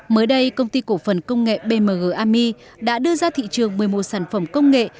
mới đây công ty cổ phần công nghệ bmg army đã đưa ra thị trường một mươi một sản phẩm công nghệ